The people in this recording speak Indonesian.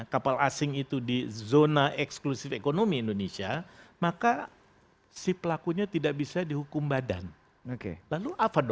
kapal asing itu di zona eksklusif ekonomi indonesia maka sip lakunya tidak bisa dihukum badan oke apa